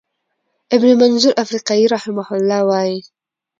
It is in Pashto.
ابن منظور افریقایی رحمه الله وایی،